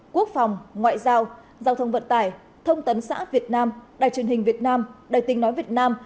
quốc phòng ngoại giao giao thông vận tải thông tấn xã việt nam đài truyền hình việt nam đài tình nói việt nam